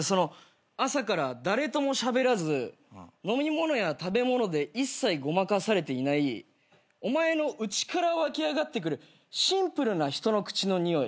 朝から誰ともしゃべらず飲み物や食べ物で一切ごまかされていないお前の内から湧き上がってくるシンプルな人の口のにおい。